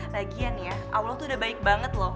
bahagian ya allah tuh udah baik banget loh